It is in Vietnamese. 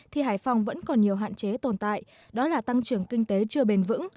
thì hải phòng vẫn còn nhiều hạn chế tồn tại đó là tăng trưởng kinh tế chưa bền vững